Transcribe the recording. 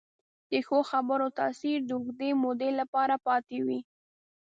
د ښو خبرو تاثیر د اوږدې مودې لپاره پاتې وي.